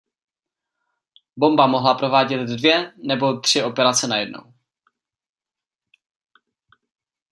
Bomba mohla provádět dvě nebo tři operace najednou.